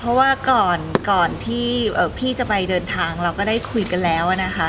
เพราะว่าก่อนที่พี่จะไปเดินทางเราก็ได้คุยกันแล้วนะคะ